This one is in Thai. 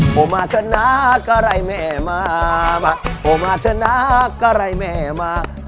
โหมาชนะก็ไรแม่มาโหมาชนะก็ไรแม่มา